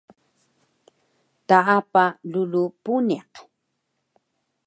Taapa rulu puniq